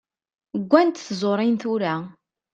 Ggant tẓurin tura.